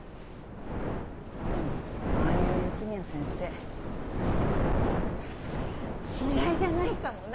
でもああいう雪宮先生嫌いじゃないかもな。